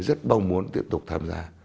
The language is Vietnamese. rất mong muốn tiếp tục tham gia